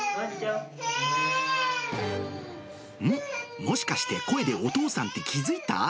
もしかして声でお父さんと気付いた？